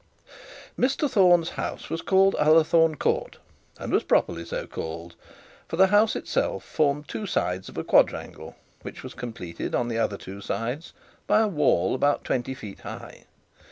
Mr Thorne's house was called Ullathorne Court, and was properly so called; for the house itself formed two sides of a quadrangle, which was completed in the other two sides by a wall about twenty feet high.